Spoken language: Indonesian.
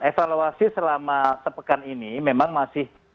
evaluasi selama sepekan ini memang masih